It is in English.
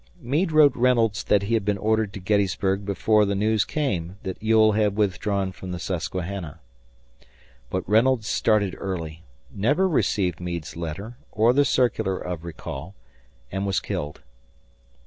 Meade wrote Reynolds that he had been ordered to Gettysburg before the news came that Ewell had withdrawn from the Susquehanna. But Reynolds started early, never received Meade's letter or the circular of recall, and was killed.